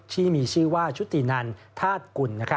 ที่มีชื่อว่าชุตินันธาตุกุล